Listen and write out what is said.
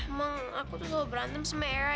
emang aku tuh baru berantem sama era